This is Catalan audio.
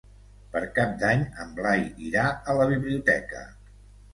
Per Cap d'Any en Blai irà a la biblioteca.